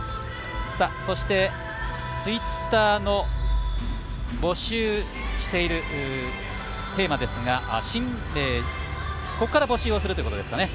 そして、ツイッターの募集しているテーマですがここから募集をするということですね。